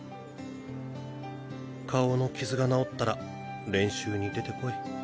顔のキズが治ったら練習に出て来い。